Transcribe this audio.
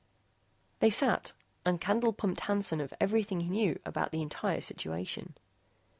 They sat and Candle pumped Hansen of everything he knew about the entire situation.